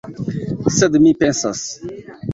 Sed mi pensas!